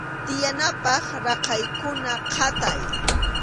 Tiyanapaq raqaykuna qatay.